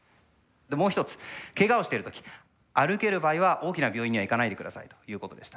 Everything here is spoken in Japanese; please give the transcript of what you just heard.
もう一つけがをしてる時歩ける場合は大きな病院には行かないで下さいということでした。